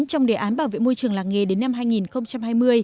trong đề án bảo vệ môi trường làng nghề đến năm hai nghìn hai mươi